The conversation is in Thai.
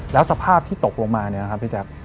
แล้วสภาพที่ตกลงมาเนี่ยนะครับพี่แจ๊ค